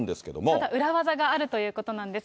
まだ裏技はあるということなんです。